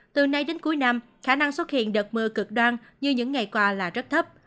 từ nay đến cuối năm khả năng xuất hiện đợt mưa cực đoan như những ngày qua là rất thấp